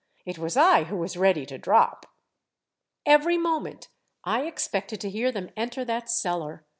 It was I who was ready to drop ! Every moment I expected to hear them enter that cellar.